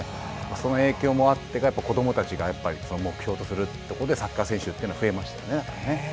その影響もあってか子どもたちが目標とするところとしてサッカー選手が増えましたよね。